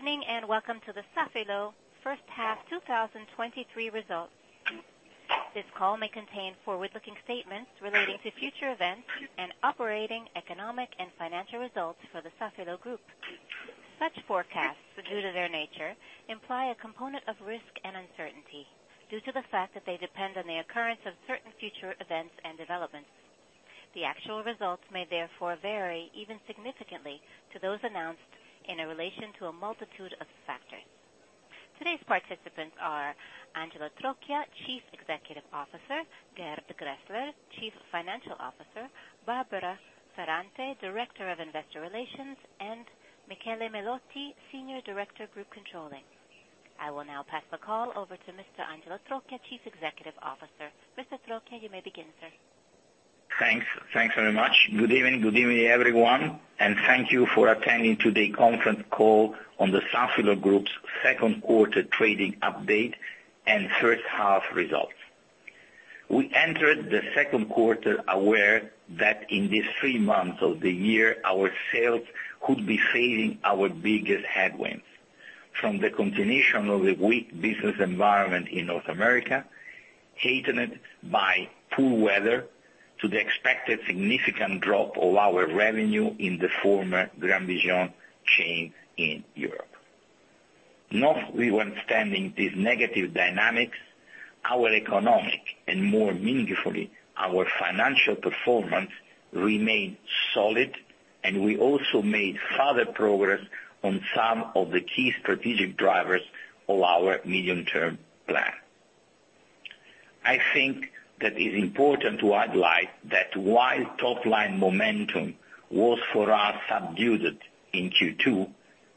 Good evening, and welcome to the Safilo First Half 2023 Results. This call may contain forward-looking statements relating to future events and operating economic and financial results for the Safilo Group. Such forecasts, due to their nature, imply a component of risk and uncertainty due to the fact that they depend on the occurrence of certain future events and developments. The actual results may therefore vary, even significantly, to those announced in a relation to a multitude of factors. Today's participants are Angelo Trocchia, Chief Executive Officer, Gerd Graehsler, Chief Financial Officer, Barbara Ferrante, Director of Investor Relations, and Michele Melotti, Senior Director, Group Controlling. I will now pass the call over to Mr. Angelo Trocchia, Chief Executive Officer. Mr. Trocchia, you may begin, sir. Thanks. Thanks very much. Good evening. Good evening, everyone, and thank you for attending today's conference call on the Safilo Group's second quarter trading update and first half results. We entered the second quarter aware that in these three months of the year, our sales could be facing our biggest headwinds. From the continuation of the weak business environment in North America, heightened by poor weather, to the expected significant drop of our revenue in the former GrandVision chain in Europe. Notwithstanding these negative dynamics, our economic, and more meaningfully, our financial performance remained solid, and we also made further progress on some of the key strategic drivers of our medium-term plan. I think that it's important to highlight that while top-line momentum was, for us, subdued in Q2,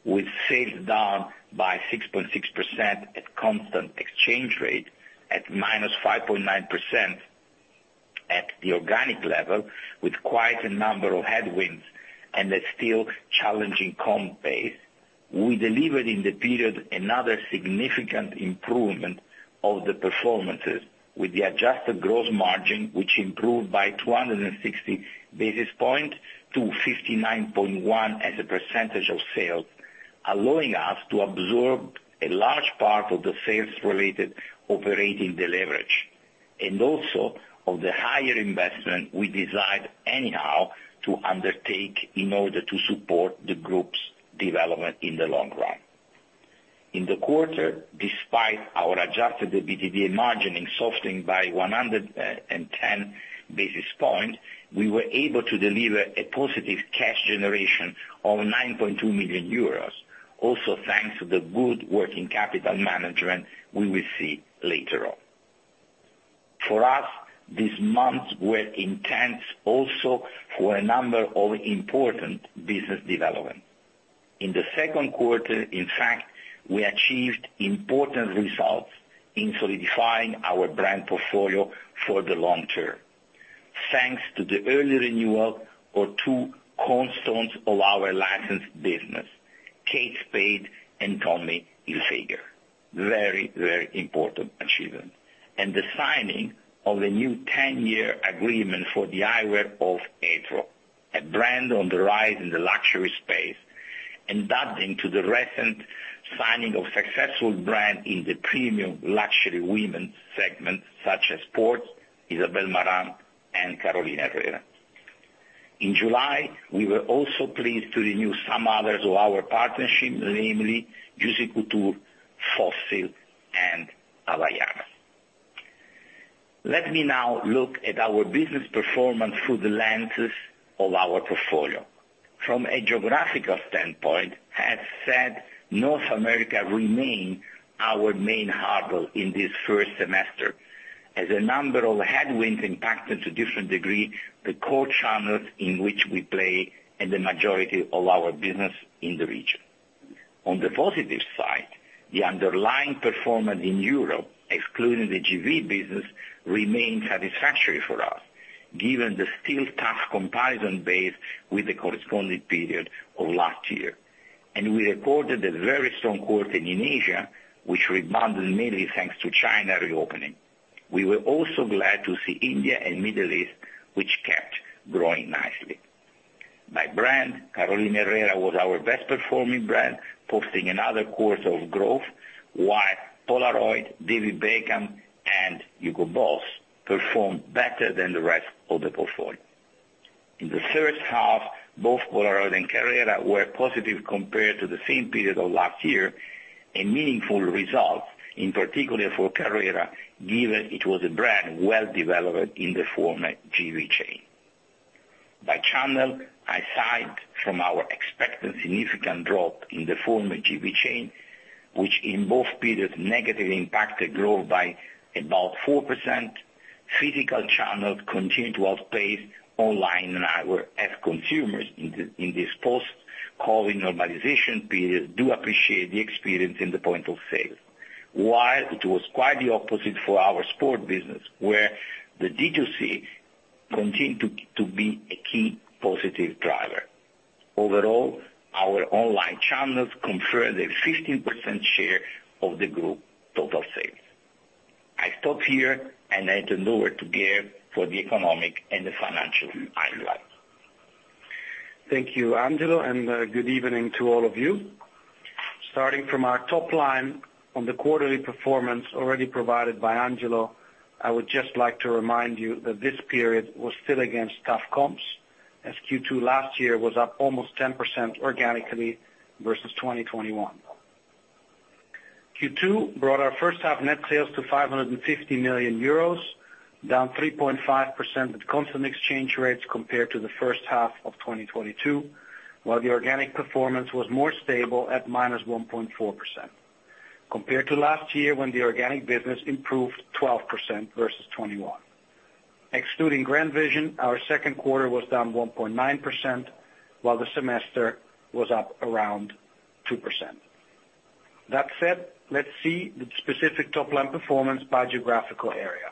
with sales down by 6.6% at constant exchange rate, at -5.9% at the organic level, with quite a number of headwinds and a still challenging comp base. We delivered in the period another significant improvement of the performances with the adjusted gross margin, which improved by 260 basis points to 59.1% as a percentage of sales, allowing us to absorb a large part of the sales-related operating leverage, and also of the higher investment we decide anyhow to undertake in order to support the group's development in the long run. In the quarter, despite our Adjusted EBITDA margin in softening by 110 basis points, we were able to deliver a positive cash generation of 9.2 million euros, also thanks to the good working capital management we will see later on. For us, these months were intense also for a number of important business development. In the second quarter, in fact, we achieved important results in solidifying our brand portfolio for the long term. Thanks to the early renewal of two cornerstones of our licensed business, Kate Spade and Tommy Hilfiger. Very, very important achievement. The signing of a new 10-year agreement for the eyewear of Sandro, a brand on the rise in the luxury space, and that into the recent signing of successful brand in the premium luxury women segment, such as Ports, Isabel Marant, and Carolina Herrera. In July, we were also pleased to renew some others of our partnership, namely Juicy Couture, Fossil, and Havaianas. Let me now look at our business performance through the lenses of our portfolio. From a geographical standpoint, as said, North America remain our main hub in this first semester, as a number of headwinds impacted to different degree, the core channels in which we play and the majority of our business in the region. On the positive side, the underlying performance in Europe, excluding the GV business, remains satisfactory for us, given the still tough comparison base with the corresponding period of last year. We recorded a very strong quarter in Asia, which rebounded mainly thanks to China reopening. We were also glad to see India and Middle East, which kept growing nicely. By brand, Carolina Herrera was our best performing brand, posting another quarter of growth, while Polaroid, David Beckham, and Hugo Boss performed better than the rest of the portfolio. In the first half, both Polaroid and Carrera were positive compared to the same period of last year, a meaningful result, in particular for Carrera, given it was a brand well-developed in the former GV chain. By channel, aside from our expected significant drop in the former GV chain, which in both periods, negatively impacted growth by about 4%, physical channels continued to outpace online and our end consumers in this post-COVID normalization period, do appreciate the experience in the point of sale. While it was quite the opposite for our sport business, where the D2C continued to be a key positive driver. Overall, our online channels confer the 15% share of the group total sale.... here and I'll hand it over to Gerd, for the economic and the financial outlook. Thank you, Angelo, and good evening to all of you. Starting from our top line on the quarterly performance already provided by Angelo, I would just like to remind you that this period was still against tough comps, as Q2 last year was up almost 10% organically versus 2021. Q2 brought our first half net sales to 550 million euros, down 3.5% at constant exchange rates compared to the first half of 2022, while the organic performance was more stable at minus 1.4%, compared to last year, when the organic business improved 12% versus 2021. Excluding GrandVision, our second quarter was down 1.9%, while the semester was up around 2%. That said, let's see the specific top-line performance by geographical area.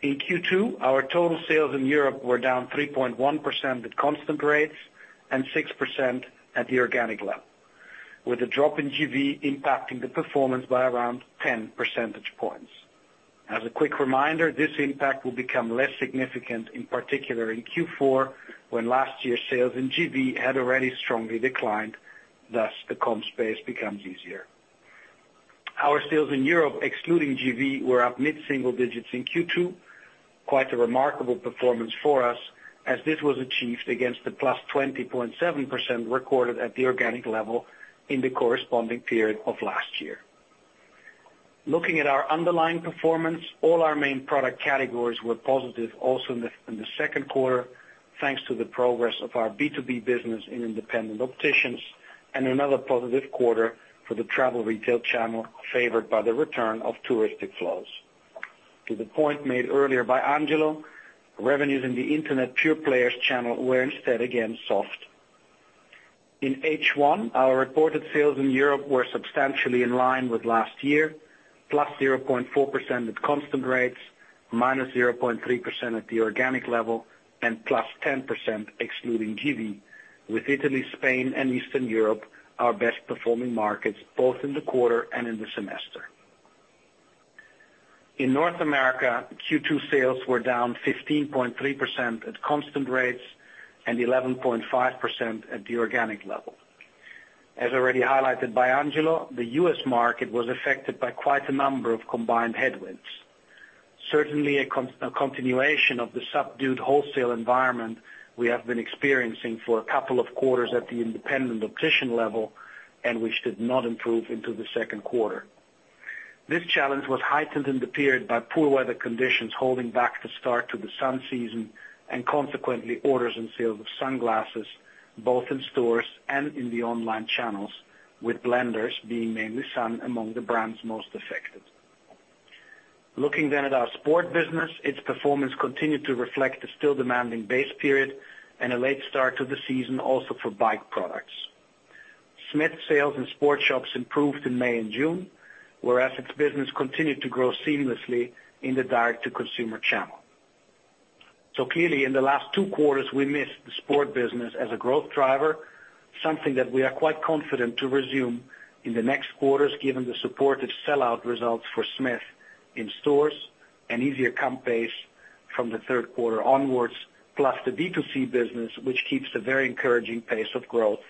In Q2, our total sales in Europe were down 3.1% at constant rates and 6% at the organic level, with a drop in GV impacting the performance by around 10 percentage points. As a quick reminder, this impact will become less significant, in particular in Q4, when last year's sales in GV had already strongly declined, thus, the comp space becomes easier. Our sales in Europe, excluding GV, were up mid-single digits in Q2, quite a remarkable performance for us, as this was achieved against the +20.7% recorded at the organic level in the corresponding period of last year. Looking at our underlying performance, all our main product categories were positive, also in the second quarter, thanks to the progress of our B2B business in independent opticians, and another positive quarter for the travel retail channel, favored by the return of touristic flows. To the point made earlier by Angelo, revenues in the internet pure players channel were instead, again, soft. In H1, our reported sales in Europe were substantially in line with last year, +0.4% at constant rates, -0.3% at the organic level, and +10% excluding GV, with Italy, Spain, and Eastern Europe, our best performing markets, both in the quarter and in the semester. In North America, Q2 sales were down 15.3% at constant rates and 11.5% at the organic level. As already highlighted by Angelo, the U.S. market was affected by quite a number of combined headwinds. Certainly, a continuation of the subdued wholesale environment we have been experiencing for a couple of quarters at the independent optician level, and which did not improve into the second quarter. This challenge was heightened in the period by poor weather conditions, holding back the start to the sun season and consequently, orders and sales of sunglasses, both in stores and in the online channels, with Blenders being mainly sun among the brands most affected. Looking at our sport business, its performance continued to reflect a still demanding base period and a late start to the season also for bike products. Smith sales and sports shops improved in May and June, whereas its business continued to grow seamlessly in the direct-to-consumer channel. Clearly, in the last two quarters, we missed the sport business as a growth driver, something that we are quite confident to resume in the next quarters, given the supported sell-out results for Smith in stores and easier comp pace from the third quarter onwards, plus the B2C business, which keeps a very encouraging pace of growth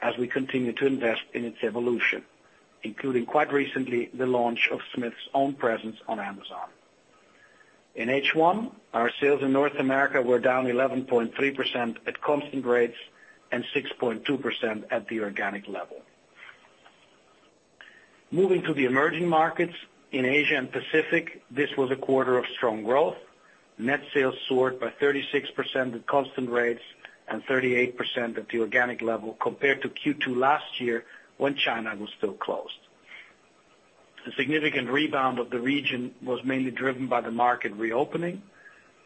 as we continue to invest in its evolution, including, quite recently, the launch of Smith's own presence on Amazon. In H1, our sales in North America were down 11.3% at constant rates and 6.2% at the organic level. Moving to the emerging markets in Asia and Pacific, this was a quarter of strong growth. Net sales soared by 36% at constant rates and 38% at the organic level compared to Q2 last year, when China was still closed. The significant rebound of the region was mainly driven by the market reopening,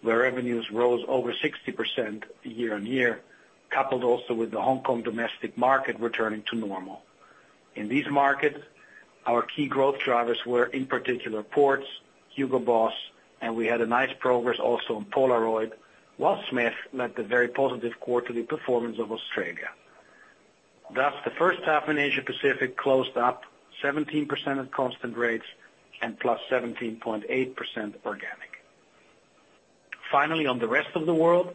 where revenues rose over 60% year-on-year, coupled also with the Hong Kong domestic market returning to normal. In these markets, our key growth drivers were, in particular, Ports, Hugo Boss, and we had a nice progress also on Polaroid, while Smith led the very positive quarterly performance of Australia. The first half in Asia Pacific closed up 17% at constant rates and +17.8% organic. On the rest of the world,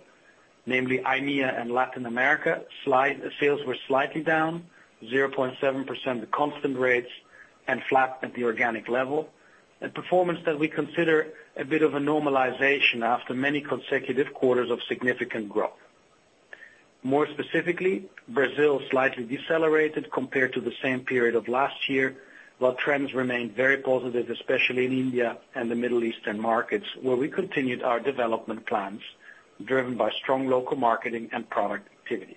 namely IMEA and Latin America, slide, sales were slightly down, 0.7% at constant rates and flat at the organic level, a performance that we consider a bit of a normalization after many consecutive quarters of significant growth. More specifically, Brazil slightly decelerated compared to the same period of last year, while trends remained very positive, especially in India and the Middle East markets, where we continued our development plans, driven by strong local marketing and product activities.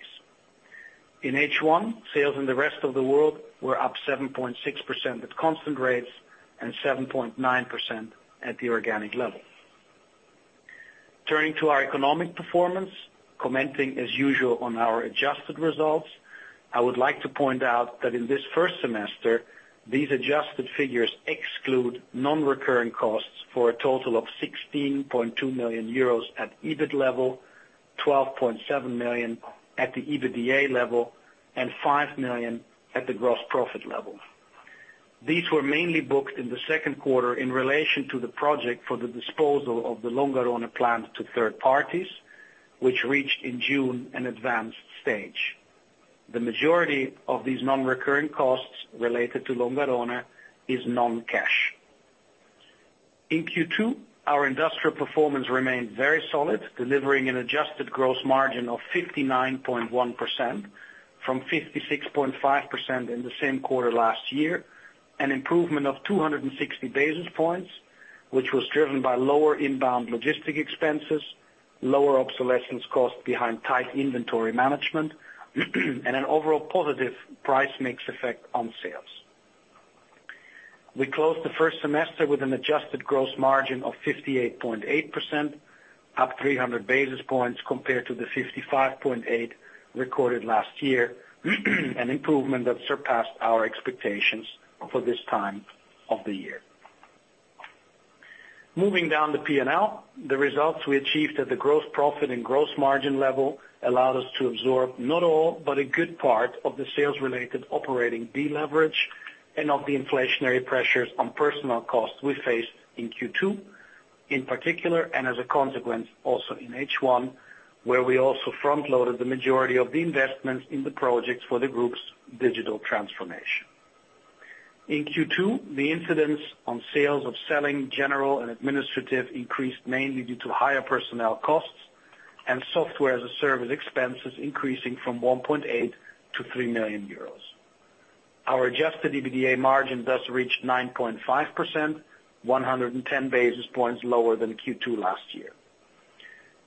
In H1, sales in the rest of the world were up 7.6% at constant rates and 7.9% at the organic level. Turning to our economic performance, commenting as usual on our adjusted results, I would like to point out that in this first semester, these adjusted figures exclude non-recurring costs for a total of 16.2 million euros at EBIT level. 12.7 million at the EBITDA level and 5 million at the gross profit level. These were mainly booked in the second quarter in relation to the project for the disposal of the Longarone plant to third parties, which reached in June an advanced stage. The majority of these non-recurring costs related to Longarone is non-cash. In Q2, our industrial performance remained very solid, delivering an adjusted gross margin of 59.1% from 56.5% in the same quarter last year, an improvement of 260 basis points, which was driven by lower inbound logistic expenses, lower obsolescence costs behind tight inventory management, and an overall positive price mix effect on sales. We closed the first semester with an adjusted gross margin of 58.8%, up 300 basis points compared to the 55.8% recorded last year, an improvement that surpassed our expectations for this time of the year. Moving down the P&L, the results we achieved at the gross profit and gross margin level allowed us to absorb not all, but a good part of the sales-related operating deleverage and of the inflationary pressures on personnel costs we faced in Q2, in particular, and as a consequence, also in H1, where we also front loaded the majority of the investments in the projects for the group's digital transformation. In Q2, the incidence on sales of selling general and administrative increased mainly due to higher personnel costs and software as a service expenses increasing from 1.8 million-3 million euros. Our Adjusted EBITDA margin thus reached 9.5%, 110 basis points lower than Q2 last year.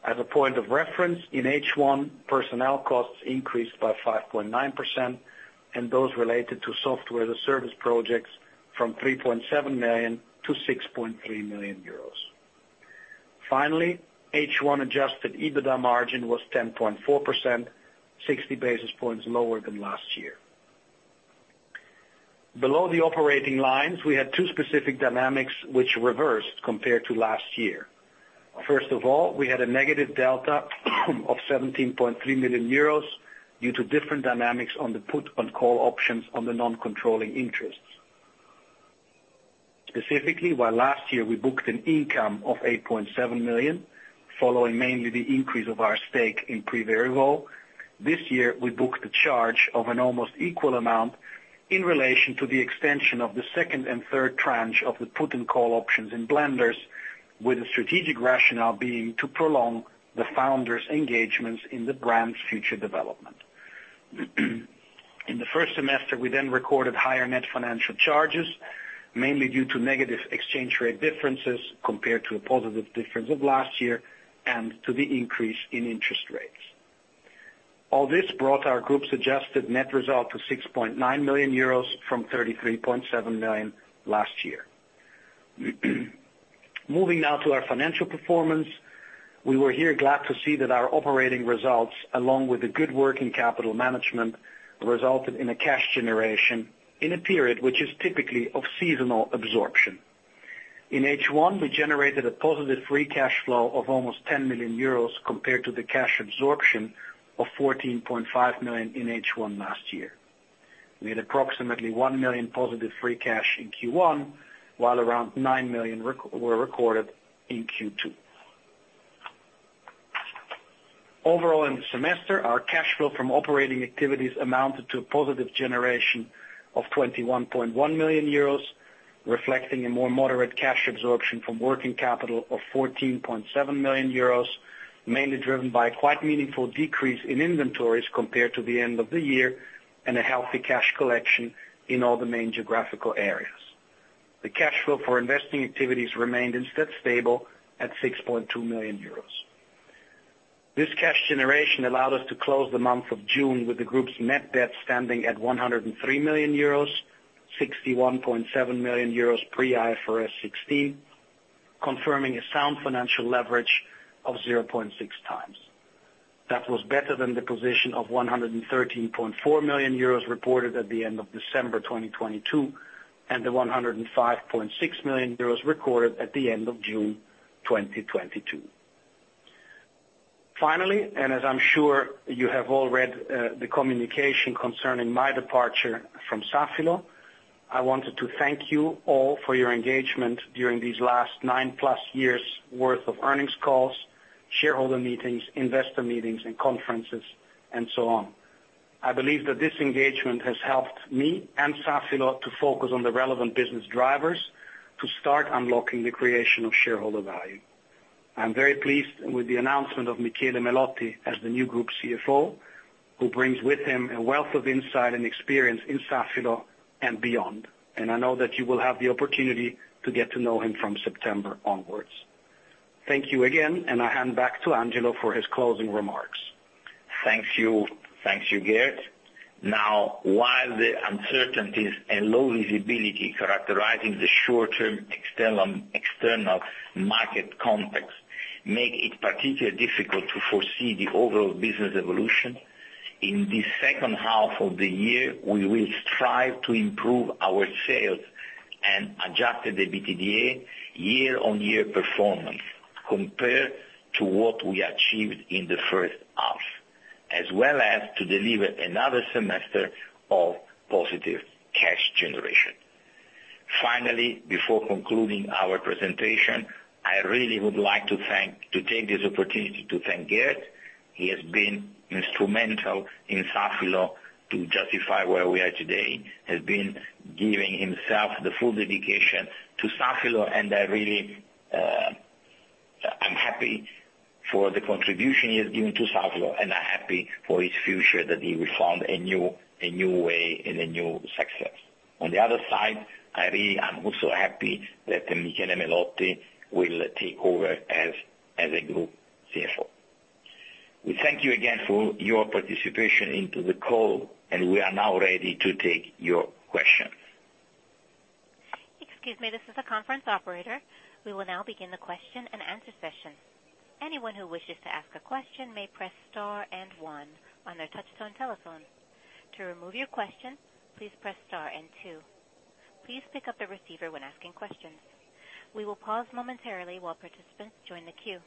As a point of reference, in H1, personnel costs increased by 5.9%, and those related to software as a service projects from 3.7 million-6.3 million euros. Finally, H1 Adjusted EBITDA margin was 10.4%, 60 basis points lower than last year. Below the operating lines, we had two specific dynamics which reversed compared to last year. First of all, we had a negative delta of 17.3 million euros due to different dynamics on the put and call options on the non-controlling interests. Specifically, while last year we booked an income of 8.7 million, following mainly the increase of our stake in Privé Revaux, this year we booked a charge of an almost equal amount in relation to the extension of the second and third tranche of the put and call options in Blenders, with the strategic rationale being to prolong the founder's engagements in the brand's future development. In the first semester, we recorded higher net financial charges, mainly due to negative exchange rate differences compared to a positive difference of last year and to the increase in interest rates. All this brought our group's adjusted net result to 6.9 million euros from 33.7 million last year. Moving now to our financial performance, we were here glad to see that our operating results, along with the good working capital management, resulted in a cash generation in a period which is typically of seasonal absorption. In H1, we generated a positive free cash flow of almost 10 million euros compared to the cash absorption of 14.5 million in H1 last year. We had approximately 1 million positive free cash in Q1, while around 9 million were recorded in Q2. Overall, in the semester, our cash flow from operating activities amounted to a positive generation of 21.1 million euros, reflecting a more moderate cash absorption from working capital of 14.7 million euros, mainly driven by a quite meaningful decrease in inventories compared to the end of the year and a healthy cash collection in all the main geographical areas. The cash flow for investing activities remained instead stable at 6.2 million euros. This cash generation allowed us to close the month of June with the group's net debt standing at 103 million euros, 61.7 million euros pre-IFRS 16, confirming a sound financial leverage of 0.6x. That was better than the position of 113.4 million euros reported at the end of December 2022, and the 105.6 million euros recorded at the end of June 2022. Finally, as I'm sure you have all read, the communication concerning my departure from Safilo, I wanted to thank you all for your engagement during these last 9+ years' worth of earnings calls, shareholder meetings, investor meetings, and conferences, and so on. I believe that this engagement has helped me and Safilo to focus on the relevant business drivers to start unlocking the creation of shareholder value. I'm very pleased with the announcement of Michele Melotti as the new group CFO, who brings with him a wealth of insight and experience in Safilo and beyond. I know that you will have the opportunity to get to know him from September onwards. Thank you again, and I hand back to Angelo for his closing remarks. Thanks you. Thank you, Gerd. While the uncertainties and low visibility characterizing the short-term external, external market context make it particularly difficult to foresee the overall business evolution, in the second half of the year, we will strive to improve our sales and Adjusted EBITDA year-on-year performance compared to what we achieved in the first half, as well as to deliver another semester of positive cash generation. Before concluding our presentation, I really would like to thank, to take this opportunity to thank Gerd. He has been instrumental in Safilo to justify where we are today, has been giving himself the full dedication to Safilo. I really, I'm happy for the contribution he has given to Safilo. I'm happy for his future that he will find a new, a new way and a new success. On the other side, I really am also happy that Michele Melotti will take over as a group CFO. We thank you again for your participation into the call, and we are now ready to take your questions. Excuse me, this is the conference operator. We will now begin the question-and-answer session. Anyone who wishes to ask a question may press star and one on their touch-tone telephone. To remove your question, please press star and two. Please pick up the receiver when asking questions. We will pause momentarily while participants join the queue.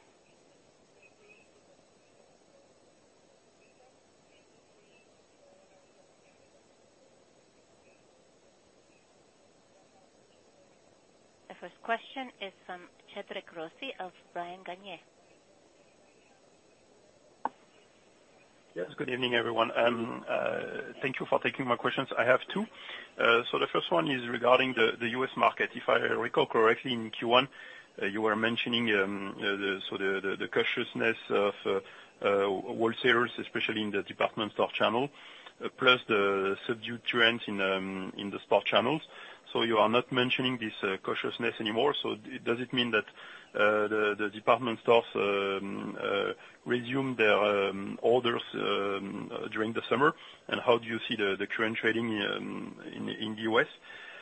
The first question is from Cédric Rossi of Bryan Garnier. Yes, good evening, everyone. Thank you for taking my questions. I have two. The first one is regarding the U.S. market. If I recall correctly, in Q1, you were mentioning the cautiousness of wholesalers, especially in the department store channel, plus the subdued trends in the stock channels. You are not mentioning this cautiousness anymore. Does it mean that the department stores resume their orders during the summer? How do you see the current trading in the U.S.?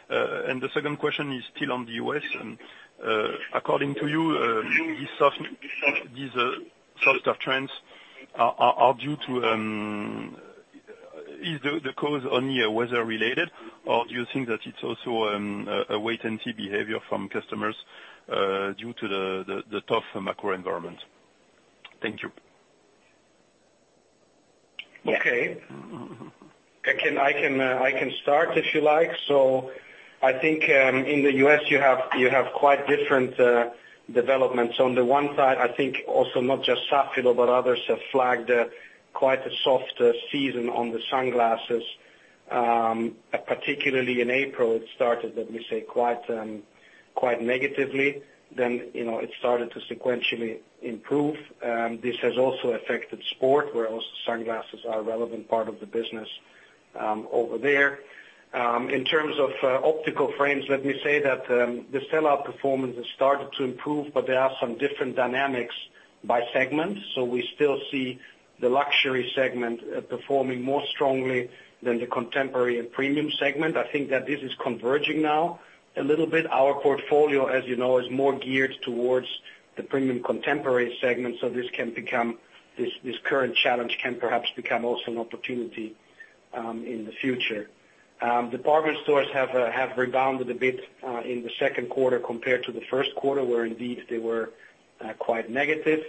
The second question is still on the U.S. According to you, these soft, these soft trends are, are, are due to, is the, the cause only weather related, or do you think that it's also, a wait-and-see behavior from customers, due to the, the, the tough macro environment? Thank you. Okay. I can, I can, I can start if you like. I think, in the U.S., you have, you have quite different developments. On the one side, I think also not just Safilo, but others have flagged quite a soft season on the sunglasses. Particularly in April, it started, let me say, quite negatively. You know, it started to sequentially improve. This has also affected sport, where also sunglasses are a relevant part of the business over there. In terms of optical frames, let me say that the sell-out performance has started to improve, but there are some different dynamics by segment. We still see the luxury segment performing more strongly than the contemporary and premium segment. I think that this is converging now a little bit. Our portfolio, as you know, is more geared towards the premium contemporary segment, so this can become, this current challenge can perhaps become also an opportunity in the future. Department stores have rebounded a bit in the second quarter compared to the first quarter, where indeed they were quite negative.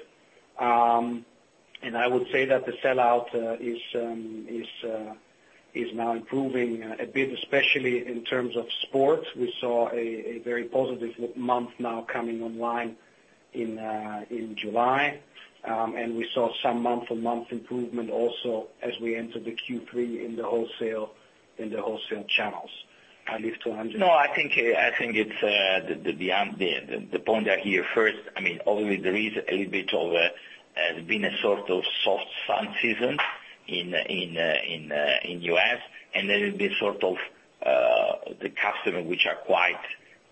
I would say that the sell-out is now improving a bit, especially in terms of sport. We saw a very positive month now coming online in July. We saw some month-on-month improvement also as we entered the Q3 in the wholesale, in the wholesale channels. I leave to Angelo. No, I think, I think it's the, the, the, the, the point I hear first. I mean, obviously there is a little bit of a, has been a sort of soft sun season in in in in U.S., and there is this sort of the customer which are quite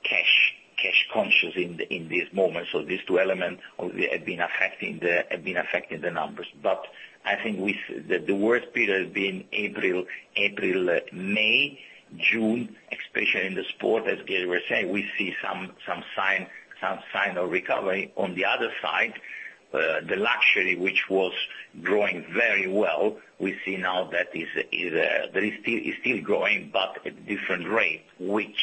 cash, cash conscious in this moment. These two elements obviously have been affecting the, have been affecting the numbers. I think the, the worst period has been April, April, May, June, especially in the sport, as Gerd were saying, we see some, some sign, some sign of recovery. On the other side, the luxury, which was growing very well, we see now that is still growing, but at different rate, which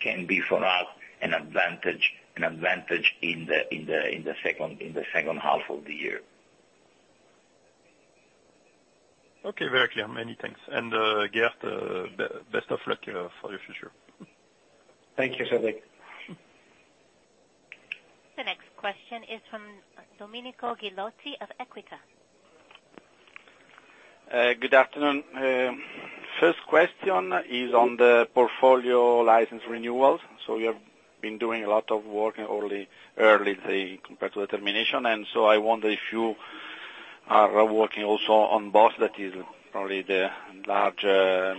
can be for us, an advantage in the second half of the year. Okay, very clear. Many thanks. Gerd, best of luck for the future. Thank you, Cédric. The next question is from Domenico Ghilotti of Equita. Good afternoon. First question is on the portfolio license renewals. You have been doing a lot of work early, early compared to the termination. I wonder if you are working also on BOSS, that is probably the large,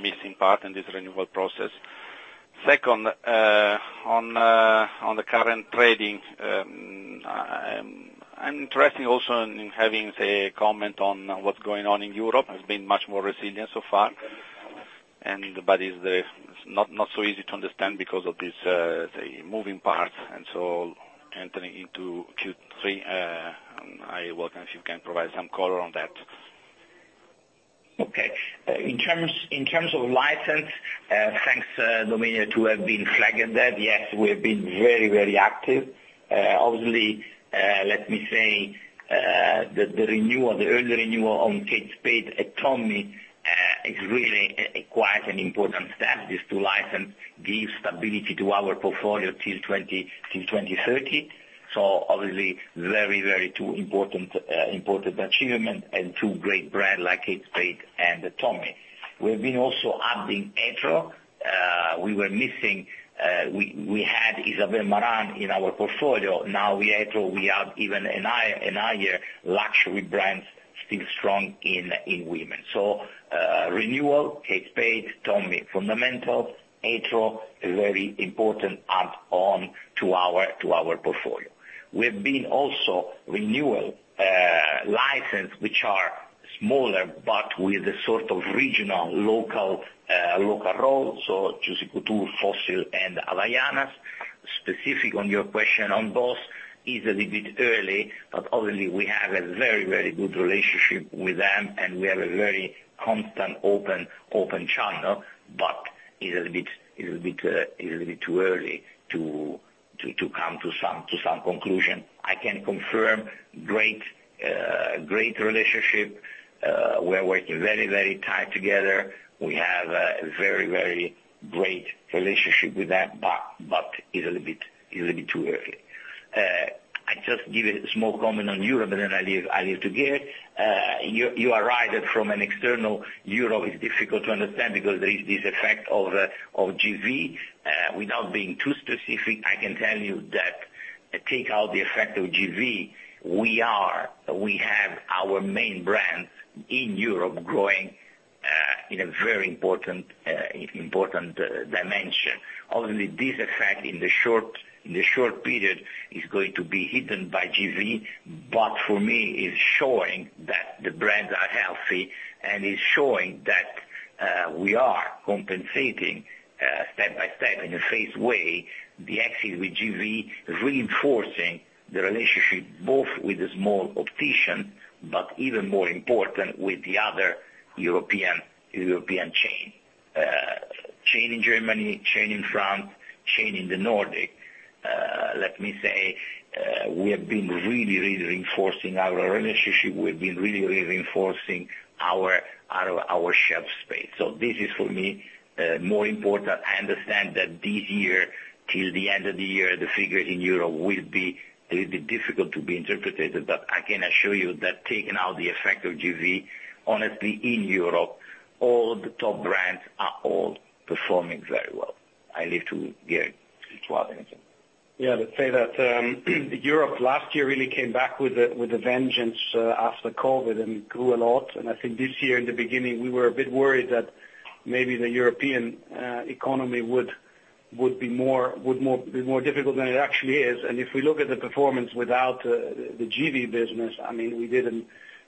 missing part in this renewal process. Second, on the current trading, I'm interested also in having a comment on what's going on in Europe, has been much more resilient so far. It's the, not so easy to understand because of this, the moving parts. Entering into Q3, I welcome if you can provide some color on that. Okay. In terms of license, thanks, Domenico, to have been flagging that. Yes, we have been very, very active. Obviously, let me say that the renewal, the early renewal on Kate Spade at Tommy, is really quite an important step. These two license give stability to our portfolio till 20, till 2030. Obviously, very, very two important, important achievement and two great brand like Kate Spade and Tommy. We've been also adding Etro. We were missing, we had Isabel Marant in our portfolio. Now with Etro, we have even a higher, a higher luxury brands still strong in, in women. Renewal, Kate Spade, Tommy, fundamental. Etro, a very important add on to our portfolio. We've been also renewal, license, which are smaller, but with a sort of regional, local, local role, so Juicy Couture, Fossil, and Havaianas. Specific on your question on BOSS, is a little bit early, but obviously we have a very, very good relationship with them, and we have a very constant, open, open channel. It's a bit, a little bit, a little bit too early to, to, to come to some, to some conclusion. I can confirm great, great relationship. We're working very, very tight together. We have a very, very great relationship with them, but it's a little bit, a little bit too early. I just give a small comment on Europe, and then I leave, I leave to Geert. You, you are right that from an external Europe, it's difficult to understand because there is this effect of GV. Without being too specific, I can tell you that take out the effect of GV, we have our main brands in Europe growing in a very important, important dimension. Obviously, this effect in the short, in the short period, is going to be hidden by GV, but for me, it's showing that the brands are healthy, and it's showing that we are compensating step by step, in a phased way, the exit with GV, reinforcing the relationship both with the small optician, but even more important, with the other European, European chain. Chain in Germany, chain in France, chain in the Nordic. Let me say, we have been really, really reinforcing our relationship. We've been really, really reinforcing our, our, our shelf space. This is, for me, more important. I understand that this year, till the end of the year, the figures in Europe will be a little bit difficult to be interpreted, I can assure you that taking out the effect of GV, honestly, in Europe, all the top brands are all performing very well. I leave to Gerd to add anything. Let's say that Europe last year really came back with a, with a vengeance after COVID and grew a lot. I think this year, in the beginning, we were a bit worried that maybe the European economy would be more difficult than it actually is. If we look at the performance without the GrandVision business, I mean, we did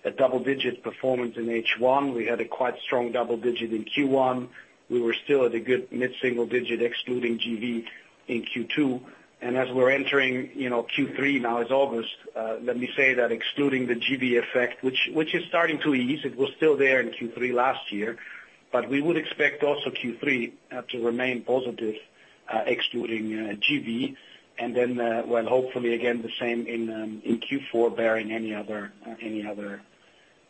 a double-digit performance in H1. We had a quite strong double digit in Q1. We were still at a good mid-single digit, excluding GrandVision, in Q2. As we're entering, you know, Q3, now it's August, let me say that excluding the GrandVision effect, which, which is starting to ease, it was still there in Q3 last year. We would expect also Q3 to remain positive, excluding GrandVision. Then, well, hopefully again, the same in Q4, barring any other any other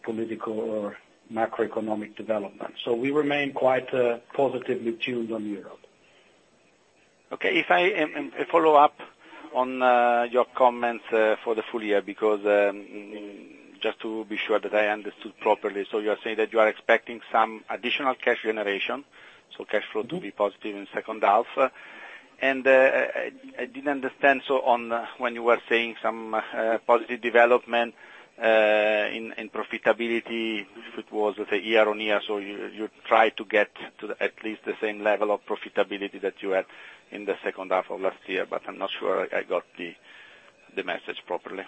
political or macroeconomic development. We remain quite positively tuned on Europe. Okay. If I follow up on your comments for the full year, because just to be sure that I understood properly. You are saying that you are expecting some additional cash generation, so cash flow to be positive in second half. I didn't understand, so on when you were saying some positive development in profitability, if it was, let's say, year-on-year, so you try to get to at least the same level of profitability that you had in the second half of last year, but I'm not sure I got the message properly.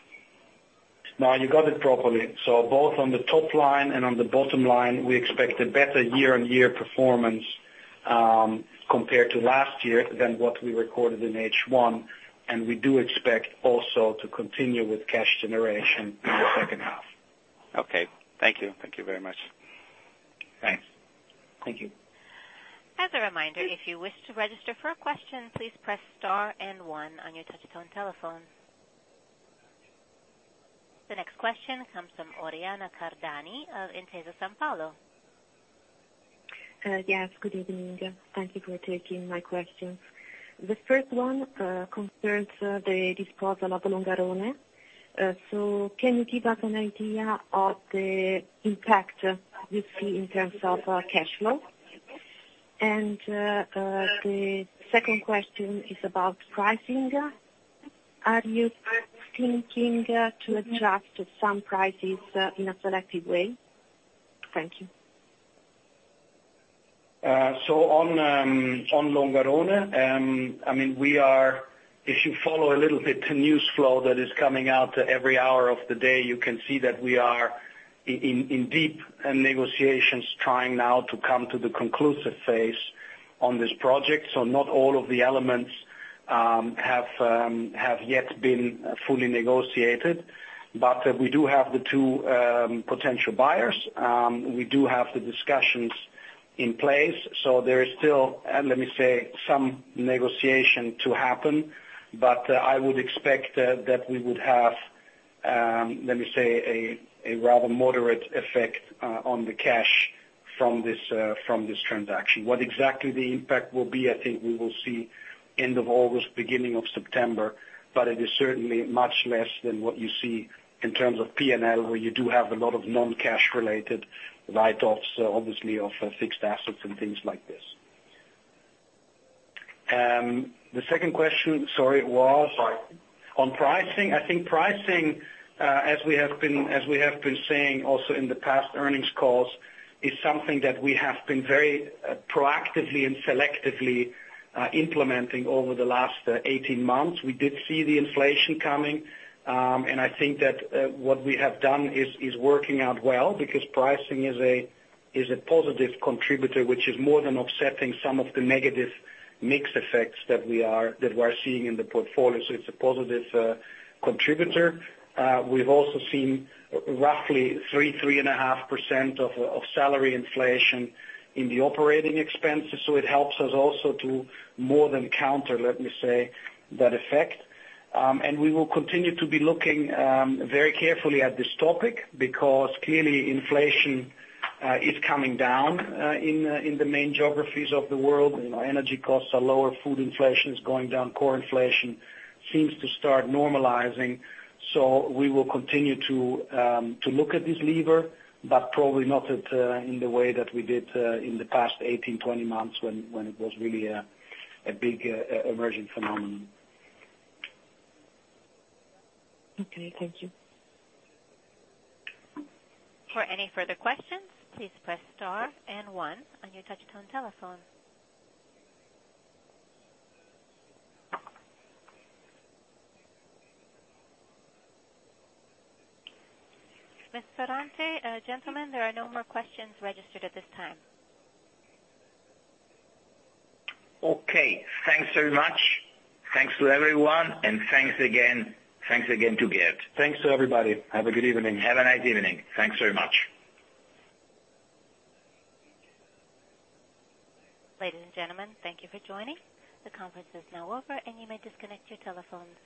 No, you got it properly. Both on the top line and on the bottom line, we expect a better year-on-year performance, compared to last year than what we recorded in H1, and we do expect also to continue with cash generation in the second half. Okay. Thank you. Thank you very much. Thanks. Thank you. As a reminder, if you wish to register for a question, please press star 1 on your touch-tone telephone. The next question comes from Oriana Cardani of Intesa Sanpaolo. Yes, good evening. Thank you for taking my questions. The first one concerns the disposal of Longarone. Can you give us an idea of the impact you see in terms of cash flow? The second question is about pricing. Are you thinking to adjust some prices in a selective way? Thank you. On Longarone, I mean, we are... If you follow a little bit the news flow that is coming out every hour of the day, you can see that we are in deep negotiations, trying now to come to the conclusive phase on this project. Not all of the elements have yet been fully negotiated. We do have the two potential buyers. We do have the discussions in place, so there is still, let me say, some negotiation to happen, but I would expect that we would have, let me say, a rather moderate effect on the cash from this transaction. What exactly the impact will be, I think we will see end of August, beginning of September, but it is certainly much less than what you see in terms of P&L, where you do have a lot of non-cash related write-offs, obviously, of fixed assets and things like this. The second question, sorry, was? On pricing. On pricing. I think pricing, as we have been, as we have been saying also in the past earnings calls, is something that we have been very proactively and selectively implementing over the last 18 months. We did see the inflation coming, and I think that what we have done is working out well, because pricing is a positive contributor, which is more than offsetting some of the negative mix effects that we are, that we're seeing in the portfolio. It's a positive contributor. We've also seen roughly 3%-3.5% of salary inflation in the operating expenses, so it helps us also to more than counter, let me say, that effect. We will continue to be looking very carefully at this topic, because clearly inflation is coming down in the main geographies of the world. You know, energy costs are lower, food inflation is going down, core inflation seems to start normalizing. We will continue to look at this lever, but probably not in the way that we did in the past 18, 20 months, when, when it was really a big emerging phenomenon. Okay, thank you. For any further questions, please press star and one on your touchtone telephone. Ms. Ferrante, gentlemen, there are no more questions registered at this time. Okay. Thanks very much. Thanks to everyone, and thanks again, thanks again to Gerd. Thanks to everybody. Have a good evening. Have a nice evening. Thanks very much. Ladies, and gentlemen, thank you for joining. The conference is now over, and you may disconnect your telephones.